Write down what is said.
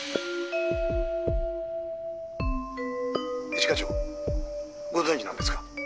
「一課長ご存じなんですか？」